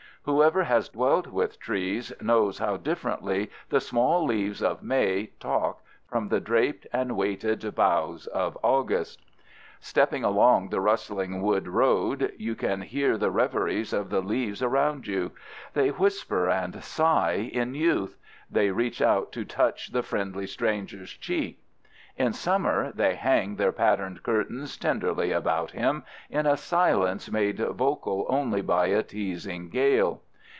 Whoever has dwelt with trees knows how differently the small leaves of May talk from the draped and weighted boughs of August. Stepping along the rustling wood road, you can hear the reveries of the leaves around you. They whisper and sigh in youth; they reach out to touch the friendly stranger's cheek. In summer they hang their patterned curtains tenderly about him, in a silence made vocal only by a teasing gale.